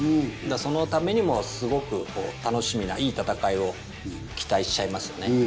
そのためにもすごく楽しみないい戦いを期待しちゃいますよね。